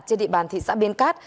trên địa bàn thị xã biên cát